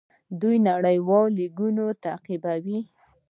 دوی نړیوال لیګونه تعقیبوي.